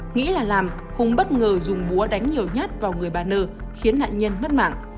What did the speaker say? nghĩ là làm hùng bất ngờ dùng búa đánh nhiều nhất vào người bà nơ khiến nạn nhân mất mạng